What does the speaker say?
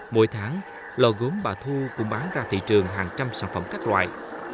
mỗi tháng lò gốm bà thu cũng bán ra thị trường hàng trăm sản phẩm các loại